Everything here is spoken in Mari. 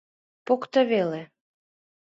Покто веле...